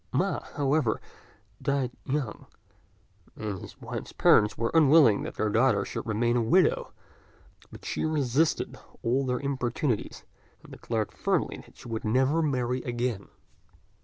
Ma, however, died young; and his wife's parents were unwilling that their daughter should remain a widow, but she resisted all their importunities, and declared firmly she would never marry again.